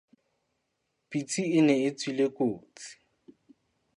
Pitsi e ne e tswile kotsi.